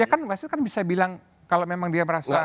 ya kan pasti kan bisa bilang kalau memang dia merasa